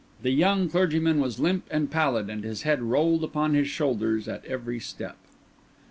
The young clergyman was limp and pallid, and his head rolled upon his shoulders at every step.